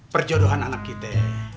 perjodohan anak kita